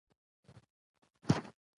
هڅې له مخې ارزښت لرې،